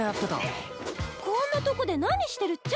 こんなとこで何してるっちゃ？